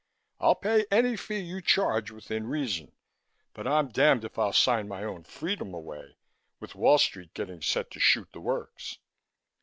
I'll pay any fee you charge, within reason, but I'm damned if I'll sign my own freedom away, with Wall Street getting set to shoot the works."